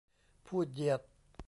พูดเหยียด